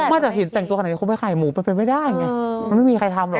มาจากหินแต่งตัวขนาดนี้เขาไปขายหมูเป็นไม่ได้มันไม่มีใครทำหรอก